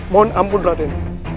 mohon ampun raden